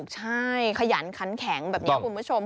ใช่ขยันขันแข็งแบบนี้คุณผู้ชม